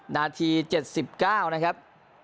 นาที๗๙นะครับ